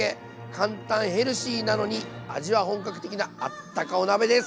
簡単ヘルシーなのに味は本格的なあったかお鍋です。